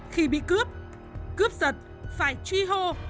khi bị cướp cướp giật phải truy hô